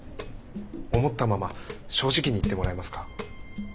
思ったまま正直に言ってもらえますか。